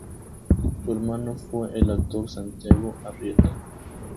Su hermano fue el actor Santiago Arrieta.